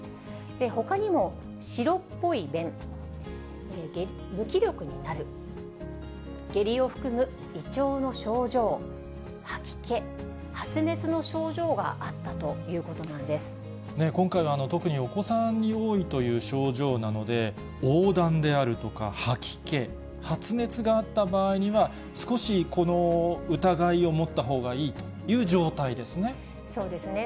ほかにも白っぽい便、無気力になる、下痢を含む胃腸の症状、吐き気、発熱の症状があったということな今回、特にお子さんに多いという症状なので、おうだんであるとか吐き気、発熱があった場合には、少しこの疑いを持ったほうがいいという状態ですね。